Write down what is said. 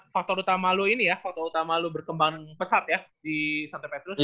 faktor utama lu ini ya faktor utama lu berkembang pesat ya di santo petrus